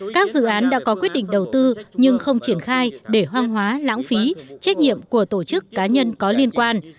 các dự án đã có quyết định đầu tư nhưng không triển khai để hoang hóa lãng phí trách nhiệm của tổ chức cá nhân có liên quan